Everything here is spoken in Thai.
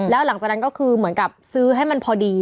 แล้วหลังจากนั้นก็คือเหมือนกับซื้อให้มันพอดี